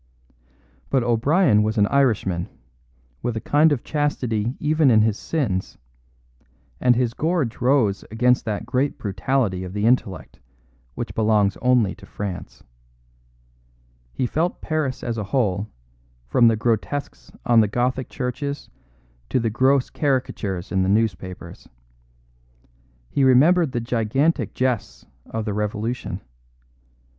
But O'Brien was an Irishman, with a kind of chastity even in his sins; and his gorge rose against that great brutality of the intellect which belongs only to France. He felt Paris as a whole, from the grotesques on the Gothic churches to the gross caricatures in the newspapers. He remembered the gigantic jests of the Revolution.